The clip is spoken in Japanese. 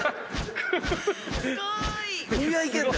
すごい！